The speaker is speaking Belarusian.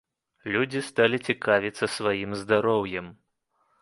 Людзі сталі цікавіцца сваім здароўем.